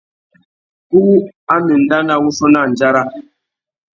Kú a má enda nà wuchiô nà andjara.